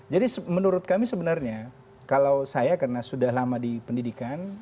jadi menurut kami sebenarnya kalau saya karena sudah lama di pendidikan